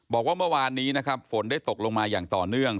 บอกว่าเมื่อวานนี้นะครับฝนได้ตกลงมาอย่างต่อเนื่อง